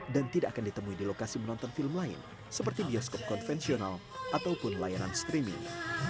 dan tidak akan ditemui di lokasi menonton film lain seperti bioskop konvensional ataupun layanan streaming